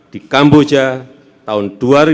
di kamboja tahun dua ribu dua puluh tiga